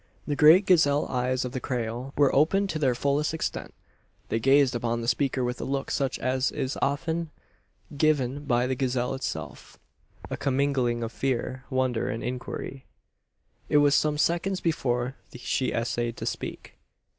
The great gazelle eyes of the Creole were opened to their fullest extent. They gazed upon the speaker with a look such as is oft given by the gazelle itself a commingling of fear, wonder, and inquiry. It was some seconds before she essayed to speak.